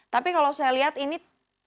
tapi kalau saya lihat ini